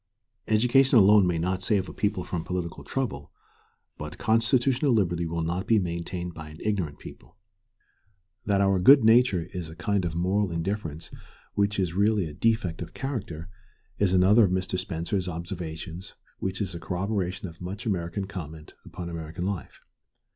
Education alone may not save a people from political trouble, but constitutional liberty will not be maintained by an ignorant people. That our good nature is a kind of moral indifference which is really a defect of character is another of Mr. Spencer's observations which is a corroboration of much American comment upon American life.